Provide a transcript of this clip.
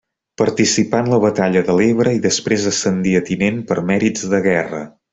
Participà en la Batalla de l'Ebre i després ascendí a tinent per mèrits de guerra.